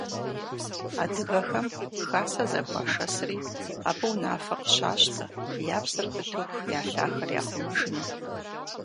Адыгэхэм хасэ зэхуашэсри, абы унафэ къыщащтэ, я псэр пытыху я лъахэр яхъумэжыну.